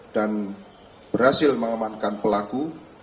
dan berhasil mengembangkan pelaku